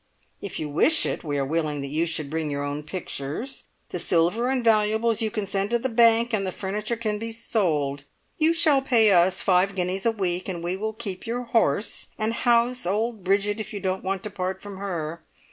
If you wish it, we are willing that you should bring your own pictures. The silver and valuables you can send to the bank, and the furniture can be sold. You shall pay us five guineas a week, and we will keep your horse, and house old Bridget if you don't want to part from her.